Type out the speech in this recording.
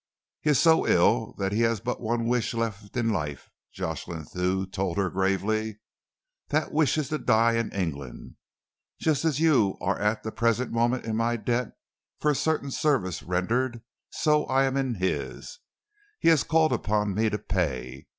"He is so ill that he has but one wish left in life," Jocelyn Thew told her gravely. "That wish is to die in England. Just as you are at the present moment in my debt for a certain service rendered, so am I in his. He has called upon me to pay.